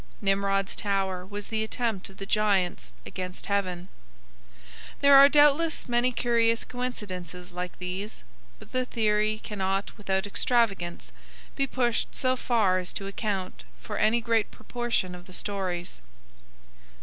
Nimrod's tower was the attempt of the Giants against Heaven." There are doubtless many curious coincidences like these, but the theory cannot without extravagance be pushed so far as to account for any great proportion of the stories.